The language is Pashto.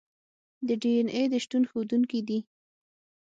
د ډي این اې د شتون ښودونکي دي.